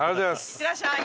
いってらっしゃい。